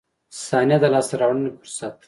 • ثانیه د لاسته راوړنې فرصت ده.